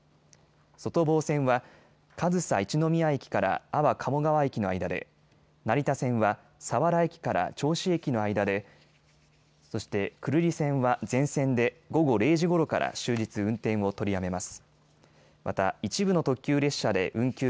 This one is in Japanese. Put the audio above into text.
外房線は上総一ノ宮駅から安房鴨川駅の間で、成田線は佐原駅から銚子駅の間で、そして久留里線は、全線で午後０時ごろから終日運転を取りやめます。